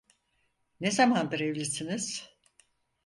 Ne zamandır evlisiniz?